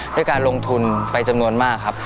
ด้วยการลงทุนไปจำนวนมากครับ